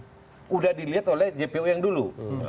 sudah dilihat oleh jpu yang dulu